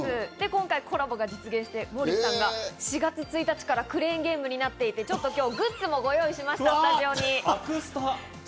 今回、コラボが実現したんですが、４月１日からクレーンゲームになっていて、今日グッズもご用意しました、スタジオに。